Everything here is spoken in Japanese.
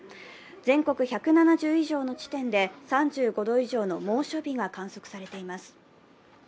全国１７０以上の地点で３５度以上の猛暑日が観測されています。